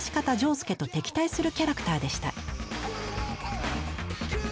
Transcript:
仗助と敵対するキャラクターでした。